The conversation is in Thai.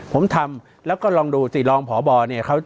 ผมทำแล้วก็ลองดูสิรองพบเนี่ย